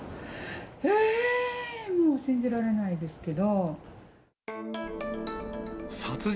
えー、もう信じられないですけど。